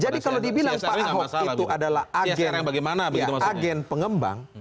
kalau dibilang pak ahok itu adalah agen pengembang